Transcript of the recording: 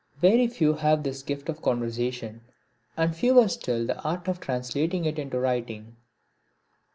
Very few have this gift of conversation, and fewer still the art of translating it into writing.